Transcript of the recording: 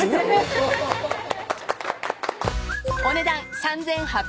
［お値段３，８００円］